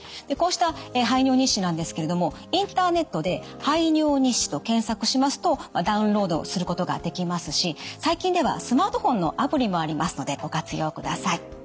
こうした排尿日誌なんですけれどもインターネットで「排尿日誌」と検索しますとダウンロードすることができますし最近ではスマートフォンのアプリもありますのでご活用ください。